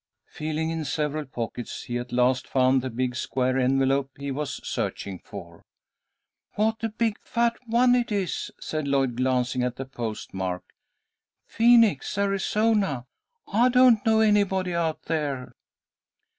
Feeling in several pockets, he at last found the big square envelope he was searching for. "What a big fat one it is," said Lloyd, glancing at the postmark. "Phoenix, Arizona! I don't know anybody out there."